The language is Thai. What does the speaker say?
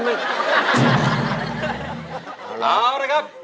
เอาแล้วนะครับ